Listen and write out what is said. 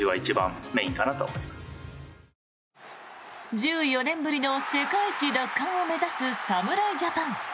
１４年ぶりの世界一奪還を目指す侍ジャパン。